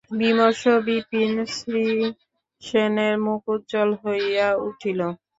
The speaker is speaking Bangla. বিমর্ষ বিপিন-শ্রীশের মুখ উজ্জ্বল হইয়া উঠিল।